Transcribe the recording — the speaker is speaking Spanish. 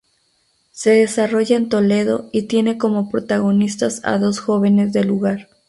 Se desarrolla en Toledo y tiene como protagonistas a dos jóvenes del lugar.